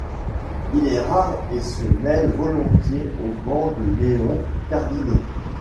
Il est rare et se mêle volontiers aux bancs de néons cardinaux.